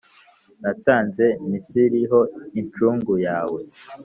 Natanze Misiri ho incungu yawe,